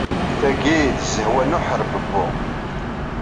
Tagi d zzedwa n uḥerbebbu!